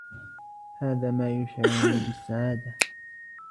هذا ما يشعرني بالسعادة.